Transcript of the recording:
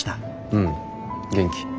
うん元気。